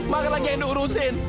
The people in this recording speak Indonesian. makan lagi yang diurusin